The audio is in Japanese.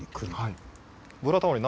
はい。